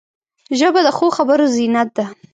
ژبه د ښو خبرو زینت ده